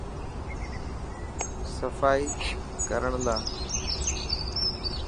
صفائي ڪرڻ لاءِ.